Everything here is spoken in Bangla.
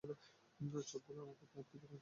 চোখগুলো আমাকে তার দিকে টানছে।